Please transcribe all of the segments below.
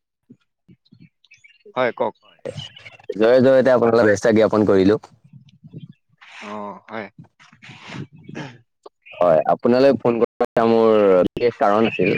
[inaudible] হয় কওক জয়, জয়তে আপোনাৰ [unintelligible] সুভেচ্ছা জ্ঞাপন কৰিলো। অ হয হয়, আপোনালৈ ফোন কৰাৰ মোৰ বিশেষ কাৰণ আছিল।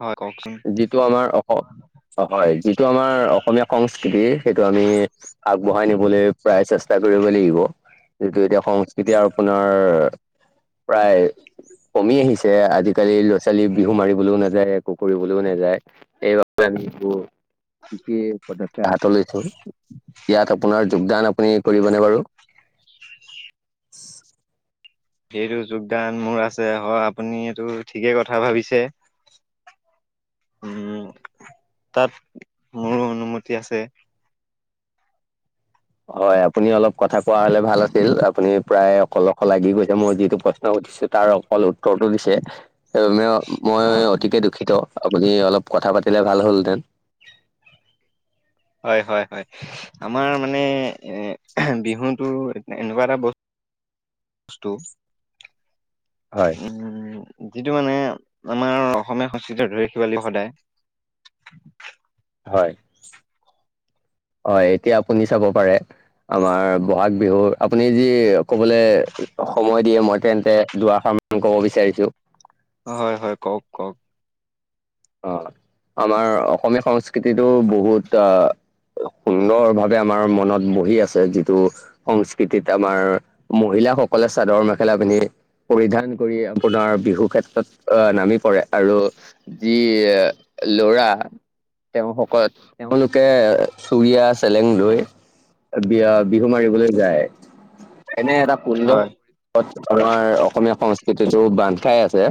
হয় কওকচোন যিটো আমাৰ অসম। অ', হয়। যিটো আমাৰ অসমীয়া সংস্কৃতি, সেইটো আমি আগ। বঢ়াই নিবলে প্ৰায় চেষ্টা কৰিব লাগিব, যিটো এতিয়া সংস্কৃতি আৰু আপোনাৰ। প্ৰায়, কমি আহিছে। আজিকালি, ল'ৰা ছোৱালী বিহু মাৰিবলৈও নাযায় একো। ফুৰিবলেও নাযায়, এইবাবে। [unintelligible] কি, কি পদক্ষেপ হাতত। [unintelligible] ইয়াত আপোনাৰ, যোগদান আপুনি কৰিবনে বাৰ? সেইটো যোগদান মোৰ আছে। হয়, আপুনি এইটো ঠিকেই কথা ভাবিছে। উম, তাত মোৰো অনুমতি আছে। হয়, আপুনি অলপ কথা কোৱা হলে ভাল আছিল। আপুনি প্ৰায় অকল অশ লাগি গৈছে, মোৰ যিটো প্ৰশ্ন উত্ত। দিছো, তাৰ অকল উত্তৰটো দিছে। অ ম-মই অতিকে দুখিত। আপুনি অলপ কথা পাতিলে ভাল হ'লহেতেন হয় হয় হয় আমাৰ মানে এ বিহুতো এনেকুৱা এটা বস্তু [inaudible] বস্তু হয় উম যিটো মানে আমাৰ অসমীয়া সংস্কৃৃতিত ৰাখিব লাগিব সদায় হয় হয় এতিয়া আপুনি চাব পাৰে আমাৰ বহাগ বিহু আপুনি যি কবলৈ সময় দিয়ে মই তেন্তে দুৱাশাৰ ক'ব বিচাৰিছো হয় হয় কওক কওক অ আমাৰ অসমীয়া সংস্কৃতিটো বহুত আহ সুন্দৰ ভাৱে আমাৰ মনত বহি আছে যিটো সংস্কৃতিত আমাৰ মহিলা মহিলাসকলে চাদৰ মেখেলা পিন্ধি পৰিধান কৰি আপোনাৰ বিহু ক্ষেত্ৰত আহ নামি পৰে আৰু যি লৰা তেওঁসকল তেওঁলোকে চুুৰিয়া চেলেং লৈ বিয়া বিহু মাৰিবলৈ যায় এনে এটা সুন্দৰ হয় আমাৰ অসমীয়া সংস্কৃতিতো বান্ধ খাই আছে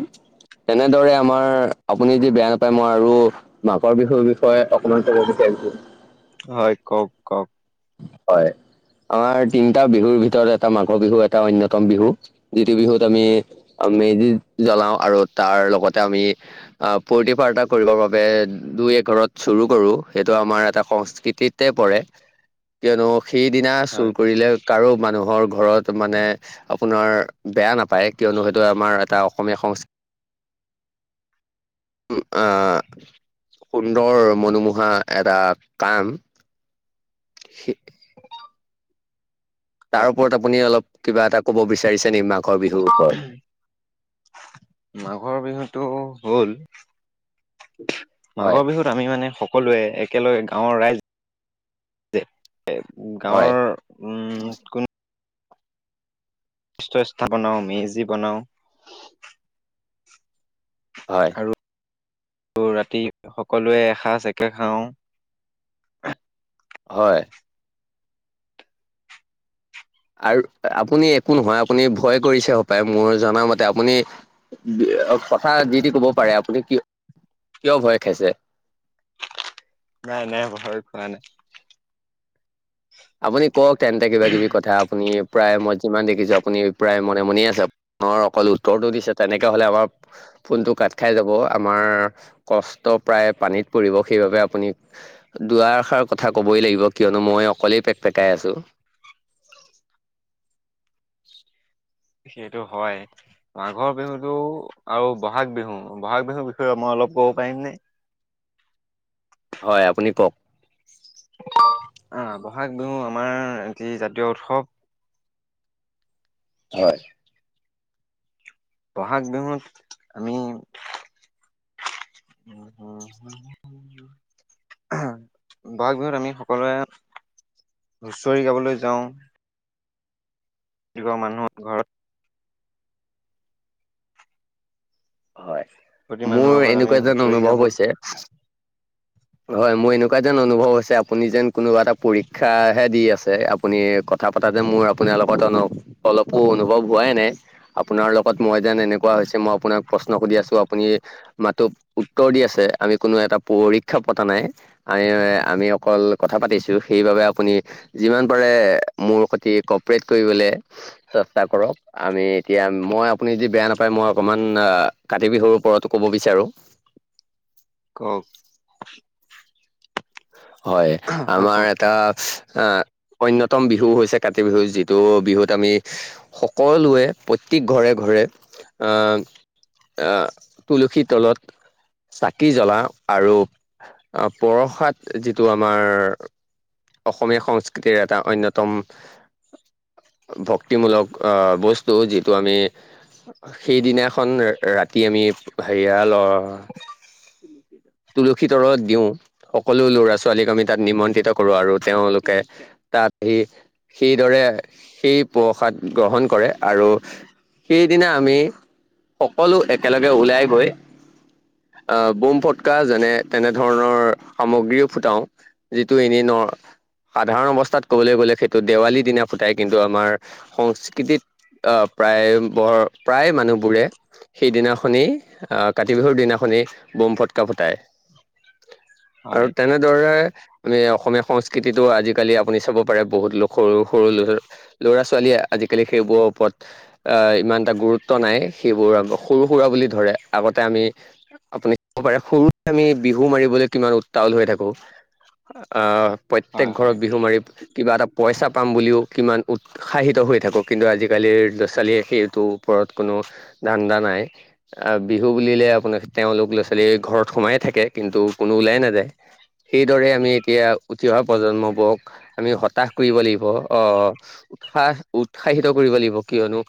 তেনেদৰে আমাৰ আপুনি যদি বেয়া নাপায় মই আৰু মাঘৰ বিহুৰ বিষয়ে অকমান কব বিচাৰিছো হয় কওক কওক হয় আমাৰ তিনিটা বিহুৰ ভিতৰত এটা মাঘৰ বিহু এটা অন্যতম বিহু যিটো বিহুত আমি মেজি জ্বলাও আৰু তাৰ লগতে আমি স্ফূৰ্তি ফাৰ্তা কৰিব বাবে [unintelligible] ঘৰত চুৰু কৰো সেইটো আমাৰ এটা সংস্কৃতিতে পৰে। কিয়নো সেইদিনা চুৰ হয় কৰিলে কাৰো মানুহৰ ঘৰত মানে আপোনাৰ বেয়া নাপায় কিয়নো সেইটো আমাৰ এটা অসমীয়া উ আহ সুন্দৰ মনোমোহা এটা কাম [unintelligible] হয় তাৰ ওপৰত আপুনি অলপ কিবা এটা ক'ব বিচাৰিছে নে মাক। অ বিহুৰ ওপৰত মাঘৰ বিহুটো হল হয় মাঘৰ বিহুত আমি মানে সকলোৱে একেলগে গাঁৱৰ ৰাইজ হয় গাঁৱৰ উ কোনো [unintelligible] বনাও মেজি বনাওঁ। হয় আৰু ৰাতি সকলোৱে এসাঁজ একে খাওঁ। হয় আৰু আপুনি একো নহয় আপুনি ভয় কৰিছে হপায় মোৰ জনা মতে আপুনি কথা যি তি ক'ব পাৰে আপুনি কিয় ভয় খাইছে। নাই নাই ভয় খোৱা নাই। আপুনি কওক তেন্তে কিবা কিবি কথা আপুনি প্ৰায় মই যিমান দেখিছো আপুনি প্ৰায় মনে মনে আছে আনৰ অকল উত্তৰটো দিছে তেনেকে হলে আমাৰ ফোনটো কাট খাই যাব, আমাৰ কষ্ট প্ৰায় পানীত পৰিব, সেইবাবে আপুনি দুৱাআশাৰ কথা কবই লাগিব কিয়নো মই অকলেই পেক পেকাই আছো। সেইটো হয় মাঘৰ বিহুতটো আৰু বহাগ বিহু বহাগ বিহুৰ বিষয়ে মই অল [unintelligible] ক'ব পাৰিম নে? হয় আপুনি কওক আহ বহাগ বিহু আমাৰি জাতীয় উৎসৱ। হয় বহাগ বিহুত আমি উম, [unintelligible] বহাগ বিহুত আমি সকলোৱে হুঁচৰি গাবলৈ যাওঁ। ঘ মানুহৰ ঘৰত হয়, প্ৰতি মানুহৰ মোৰ ঘৰত আমি এনেকুৱা এ যেন হুঁচৰি অনুভৱ গাব হৈছে হয়, মোৰ এনেকুৱা যেন অনুভৱ হৈছে আপুনি যেন কোনোবা এটা পৰীক্ষা হে দি আছে আপুনি কথা পতা যে মোৰ আপোনাৰ লগত অলপো অনুভৱ হোৱাই নাই আপোনাৰ লগত মই যেন এনেকুৱা, মই আপোনাক প্ৰশ্ন সুধি আছো আপুনি মাতো উত্তৰ দি আছে আমি কোনো এটা প উক্ষপ পতা নাই আমি আমি অকল কথা পাতিছো সেইবাবে আপুনি যিমান পাৰে মোৰ সৈতি কপৰেট কৰিবলৈ চেষ্টা কৰক আমি এতিয়া মই আপুনি যদি বেয়া নাপায় মই অকণমান আহ কাতি বিহুৰ ওপৰতো ক'ব বিচাৰো কওক হয়, হয় আমাৰ কওক এটা আ অন্যতম বিহু হৈছে কাতি বিহু যিটো বিহুত আমি সকলোৱে প্ৰত্যেক ঘৰে-ঘৰে। আহ, আহ তুলসীৰ তলত চাকি জ্বলা আৰু প্ৰসাদ যিটো আমাৰ অসমীয়া সংস্কৃতিৰ এটা অন্যতম ভক্তিমূলক আহ বস্তু যিটো আমি সেইদিনাখন ৰাতি আমি হেয়া তুলসী তৰত দিওঁ সকলো ল'ৰা ছোৱালীক আমি তাত নিমন্ত্ৰিত কৰো আৰু তেওঁলোকে তাত আহি সেইদৰে সেই প্ৰসাদ গ্ৰহণ কৰে আৰু সেইদিনা আমি সকলো একেলগে ওলাই গৈ অহ বোম ফটকা যেনে তেনেধৰণৰ সামগ্ৰীও ফুটাও যি ত এনেই ন সাধাৰণ অৱস্থাত ক'বলৈ গ'লে সেইটো দেৱালীৰ দিনা ফুটাই কিন্তু আমাৰ সংস্কৃতিত অ, প্ৰায় বৰ প্ৰায় মানুহবোৰে সেইদিনাখনি আহ কাতি বিহুৰ দিনাখনি বোম ফটকা ফুটাই। আৰু হয় তেনেদৰে আমি অসমীয়া সংস্কৃতিতো আজিকালি আপুনি চাব পাৰে বহুত লোক সৰু-সৰু ল ল'ৰা-ছোৱালীয়ে আজি, আজিকালি সেইবোৰৰ ওপৰত ইমান এটা গুৰুত্ব নাই সেইবোৰ আ সৰু সুৰা বুলি ধৰে আগতে আমি আপুনি পাৰে সৰুতে আমি বিহু মাৰিবলৈ কিমান উত্তল হৈ থাকো। আহ প্ৰত্যেক হয় হয়। ঘৰত বিহু মাৰি কিবা এটা পইচা। পাম বুলিও কিমান উৎসাহিত হৈ থাকোঁ কিন্তু আজিকালিৰ ল'ৰা ছোৱালীয়ে সেইটোৰ ওপৰত কোনো ধান্দা নাই আহ বিহু বুলিলে আপোনাৰ তেওঁলোক ল'ৰা ছোৱালী ঘৰত সোমাইে থাকে কিন্তু কোনো ওলাই নাযায় সেইদৰে আমি। এতিয়া উঠি অহা প্ৰজন্মবোৰক আমি হতাশ কৰিব লাগিব অ উৎসাহ উৎস উৎসাহিত কৰিব লাগিব কিয়নো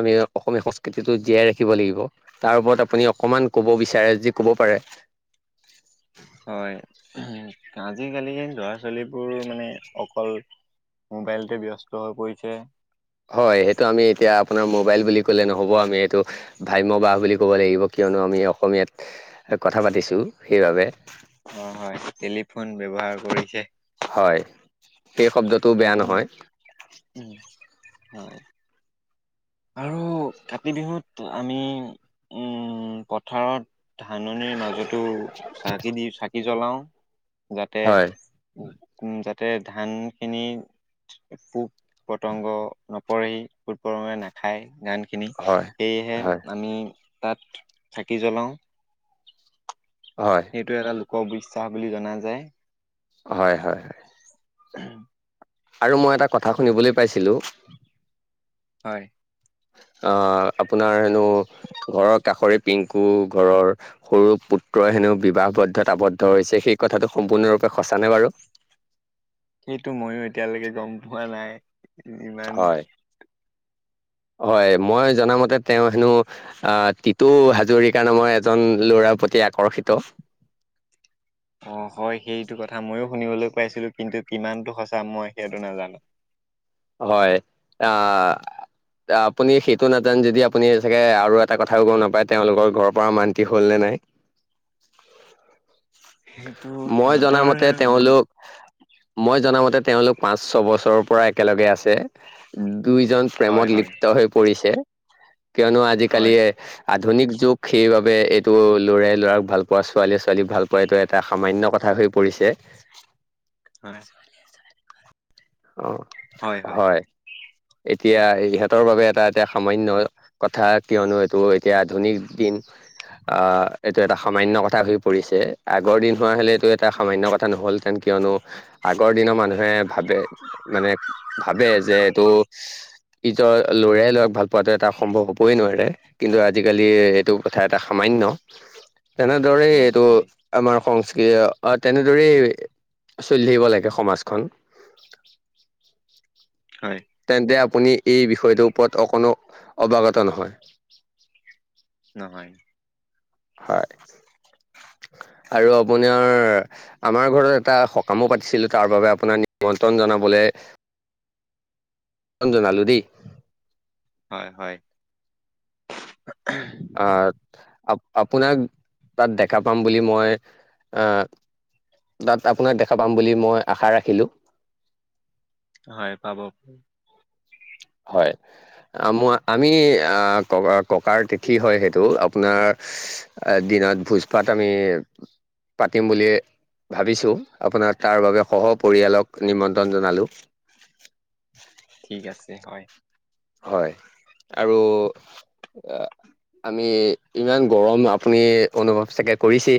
আমি অসমীয়া সংস্কৃতিটো জীয়াই ৰাখিব লাগিব তাৰ ওপৰত আপুনি অকমান ক'ব বিচাৰে যি ক'ব পাৰে হয়, আজিকালি লৰা ছোৱালীবোৰ মানে অকল মোবাইলতে ব্যস্ত হৈ পৰিছে হয় সেইটো আমি এতিয়া আপোনাৰ মোবাইল বুলি কলে নহ'ব আমি এইটো ভ্ৰাম্য বাহ বুলি ক'ব লাগিব কি কিয়নো আমি অসমীয়াত কথা পাতিছোঁ সেইবাবে। অ', হয় টেলিফোন ব্যৱহাৰ কৰিছে হয়, অ সেই শব্দটোও বেয়া টেলিফোন নহয় উম, হয় আৰু কাতি বিহুত আমি উম পথাৰত ধাননিৰ মাজতো চাকি দি চাকি জ্বলাও। যাতে হয় উ যাতে ধান খিনি পোক পতংগ [unintelligible] খাই গানখিনি হয় সেয়েহে হয় আমি তাত থাকি জ্বলাওঁ। হয় সেইটোৱে এটা লোকবিশ্বাস বুলি জনা যায় হয়, হয়, হয়। উ। আৰু মই এটা কথা শুনিবলৈ পাইছিলো হয়। অ', আপোনাৰ হেনো ঘৰৰ কাষৰে পিংকু ঘৰৰ সৰু পুত্ৰই হেনু বিবাহবদ্ধত আৱদ্ধ হৈছে সেই কথাটো সম্পূৰ্ণৰূপে সচা নে বাৰু? সেইটো ময়ো এতিয়ালৈকে গম পোৱা নাই ইমান হয়। [inaudible] হয়, মই জনা মতে তেওঁ হেনো আহ তিটো হাজৰিকা নামৰ এজন ল'ৰা প্ৰতি আকৰ্ষিত অ', হয় সেইটো কথা ময়ো শুনিবলৈ পাইছিলো কিন্তু কিমানতটো সচ মই সেইটো নাজানো হয় আহ আপুনি সেইটো নাজানন যদি আপুনি চাগে আৰু এটা কথাও গম নাপায় তেওঁলোকৰ ঘৰৰ পৰা মান্তি হল নে নাই। সেইটো মই জনা সিহঁতৰ মতে মানে তেওঁলোক মই জনামতে তেওঁলোক পাঁচশ বছৰৰ পৰা একেলগে আছে দুয়োজন হয় প্ৰেমত হয় লিপ্ত হৈ পৰিছে। কিয়নো হয় আজিকালিৰ আধুনিক যোগ সেইবাবে এইটো ল'ৰা -ল'ৰাক ভাল পোৱা ছোৱালী - ছোৱালীক ভাল পোৱা এইটো এটা সামান্য কথা হয় পৰিছে। হয় [inaudible] অ হয় ইহঁতৰ বাবে এটা এতিয়া সামান্য কথা কিয়নো এইটো এতিয়া আধুনিক দিন আহ, এইটো এটা সামান্য কথা হৈ পৰিছে আগৰ দিন হোৱা হলে এইটো এটা সামান্য কথা নহলহেতেন। কিয়নো আগৰ দিনৰ মানুহে ভাবে মানে, ভাৱে যে এইটো ইঈজৰ লৰায়ই লৰাক ভাল পোৱাাতটো এটা সম্ভৱ হবই নোৱাৰে কিন্তু আজিকালি এইটো কথা এটা সামান্য [unintelligible] তেনেদৰে উম এইটো হয় আমাৰ অৱ তেনেদৰেই চলি থাকিব লাগে সমাজখন। [inaudible] হয় তেন্তে আপুনি এই বিষয়টোৰ ওপৰত অকণো অৱগতা নহয় হয়। হয়। আৰু আপোনাৰ, আমাৰ ঘৰত এটা সকামও পাতিছিলোঁ তাৰ বাবে আপোনাৰ নিমন্ত্ৰণ জনাবলৈ ৰঞ্জন আলু দেই [unintelligible] হয়। আহ, আ আপোনাক [inaudible] তাত দেখা পাম বুলি মই আ তাত আপোনাক দেখা পাম বুলি মই আশা ৰাখিলোঁ। হয় পাব। [inaudible] হয়, মই আমি ক ককাৰ তিথি হয় সেইটো আপোনাৰ দিনত ভোজ ভাত আমি পাতিম বুলি ভাবিছো আপোনাৰ তাৰ বাবে সহ পৰিয়ালক নিমন্ত্ৰণ জনালো। [inaudible] ঠিক আছে হয়। হয় আৰু আমি, ইমান গৰম আপুনি অনুভৱ চাগে কৰিছে।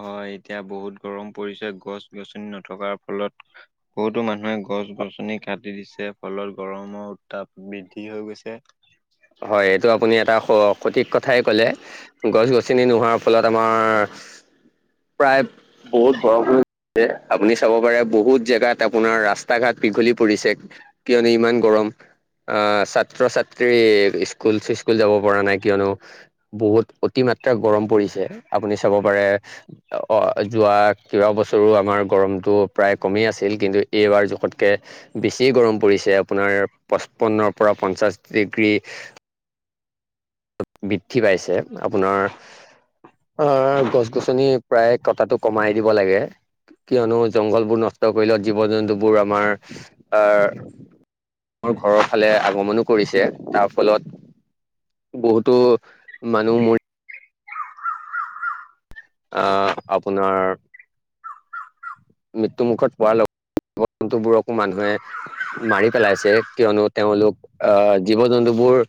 হয়, এতিয়া বহুত গৰম পৰিছে গছ গছনি নথকাৰ ফলত বহুতো মানুহে গছ গছনি কাটি দিছে ফলত গৰমৰ উত্তাপ বৃদ্ধি হৈ গৈছে। হয়, এইটো আপুনি এটা সঠিক কথাই কলে, গছ গছনি নোহোৱাৰ ফলত আমাৰ। প্ৰায় বহুত [unintelligible] এ, আপুনি চাব পাৰে বহুত জেগাত আপোনাৰ ৰাস্তা ঘাট দীঘলি পৰিছে, কিয়নো ইমান গৰম। অ ছাত্ৰ ছাত্ৰী। স্কুল চস্কুল যাব পৰা নাই কিয়নো, বহুত অতিমাত্ৰা গৰম পৰিছে, আপুনি চাব পাৰে। যোৱা কেইবছৰো আমাৰ গৰমতটো প্ৰায় কমি আছিল কিন্তু এই যোৱাৰ জোখতকৈ বেছি গৰম পৰিছে, আপোনাৰ পচপন্নৰ পৰা পঞ্চাছ ডিগ্ৰী। বৃদ্ধি পাইছে আপোনাৰ। অ গছ গছনি প্ৰায় কটাটো কমাই দিব লাগে। কিয়নো জংঘলবোৰ নষ্ট কৰিলত জীৱ জন্তুবোৰ আমাৰ, আহ। মোৰ ঘৰৰ ফালে আগমনো কৰিছে, তাৰ ফলত। বহুতো মানুহ মৰি। আপোনাৰ। মৃত্যু মুুখত পোৱাৰ [unintelligible] বুবোৰকো অকনমান। মে, মাৰি পেলাইছে। কিয়নো তেওলোক, আহ জীৱ জন্তুবোৰ।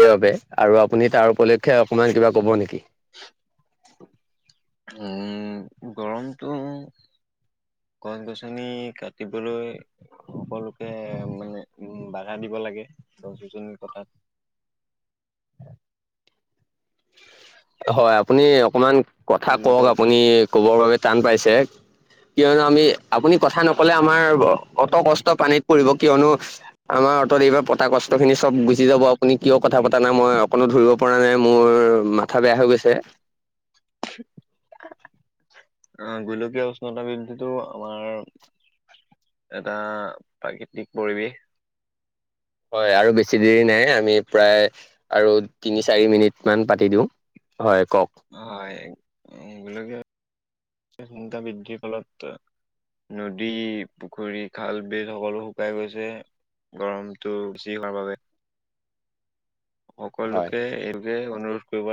সেইবাবে আৰু আপুনি তাৰ উপলক্ষে অকণমান কিবা ক'ব নেকি। [inaudible] উম গৰমটো। গছ গছনি কাটিবলৈ, সকলো। উ, উম, বাধা দিব লাগে, তহত দুজনীৰ কথাত। হয় আপুনি অকমান কথা কওক গোলকীয় আপুনি। ক'বৰ বাবে টান পাইছে। কিয়নো আমি, আপুনি কথা নকলে আমাৰ অত কষ্ট পানীত পৰিব কিয়নো আ। অটত এইবাৰ পতা কষ্ট খিনি চব গুচি যাব, আপুনি কিয় কথা পতা না মই অকণো ধৰিব পৰা নাই মোৰ। মাথা বেয়া হৈ গৈছে। আহ, গোলকীয় উষ্ণতাবৃদ্ধটো আমাৰ। এটা প্ৰাকৃতিক পৰিৱেশ। হয় আৰু বেছি দেৰি নাই আমি প্ৰায় আৰু তিনি চাৰি মিনিট মান পাতি দিও। হয় কওক। হয় গোলীয়া সংখ্যা বৃদ্ধিৰ ফলত। নদী, পুখুৰী খাল বিল সকলো শুকাই গৈছে। গৰমটো বেছি হোৱাৰ বাবে। [inaudible] হয়। সকলোকে এইটোকে অনুৰোধ কৰিব লাগে।